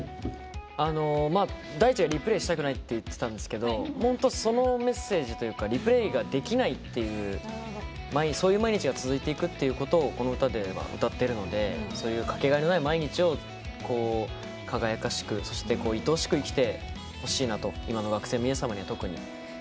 大智がＲｅｐｌａｙしたくないって言ってたんですけど本当、そのメッセージというかＲｅｐｌａｙができないっていうそういう毎日が続いていくっていうことをこの歌では歌っているので、そういうかけがえのない毎日を輝かしく、そしていとおしく生きて今の学生の皆様には特に。